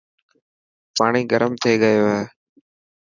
پاڻي گرم ٿي گيو هي.